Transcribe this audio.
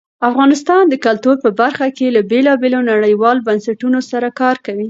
افغانستان د کلتور په برخه کې له بېلابېلو نړیوالو بنسټونو سره کار کوي.